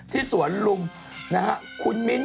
ที่สวนลุงนะครับ